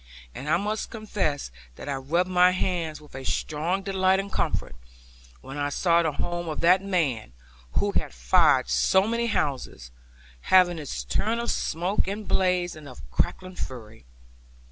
And I must confess that I rubbed my hands, with a strong delight and comfort, when I saw the home of that man, who had fired so many houses, having its turn of smoke, and blaze, and of crackling fury.